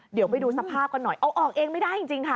เดี๋ยวไปดูสภาพกันหน่อยเอาออกเองไม่ได้จริงค่ะ